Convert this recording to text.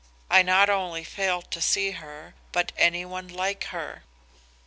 I not only failed to see her, but anyone like her.